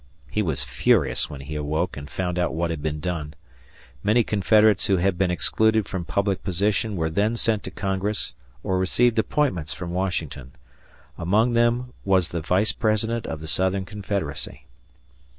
He was furious when he awoke and found out what had been done. Many Confederates who had been excluded from public position were then sent to Congress or received appointments from Washington. Among them was the Vice President of the Southern Confederacy.